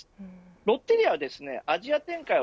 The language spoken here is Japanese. ロッテリアはアジア展開を